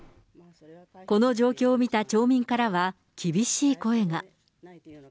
この状況を見た町民からは、厳しい声が。